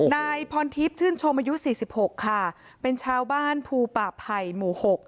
นายพรทิพย์ชื่นชมอายุ๔๖ค่ะเป็นชาวบ้านภูป่าไผ่หมู่๖